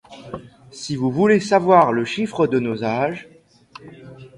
Si vous voulez savoir le chiffre de nos âges